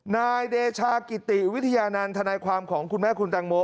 นายเดชากิติวิทยานันต์ทคคุณแม่คุณแตงโม